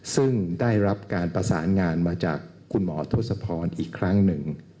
ซึ่งได้รับการประสานงานมาจากคุณหมอทศพรอีกครั้งหนึ่ง